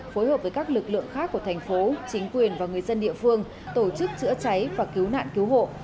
phối hợp với các lực lượng khác của thành phố chính quyền và người dân địa phương tổ chức chữa cháy và cứu nạn cứu hộ